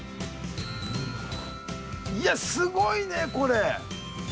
いやすごいねこれ。